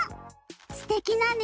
すてきなね